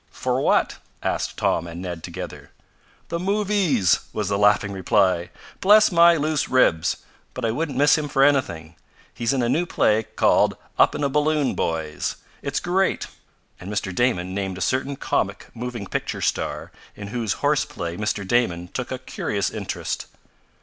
"For what?" asked Tom and Ned together. "The movies," was the laughing reply. "Bless my loose ribs! but I wouldn't miss him for anything. He's in a new play called 'Up in a Balloon Boys.' It's great!" and Mr. Damon named a certain comic moving picture star in whose horse play Mr. Damon took a curious interest.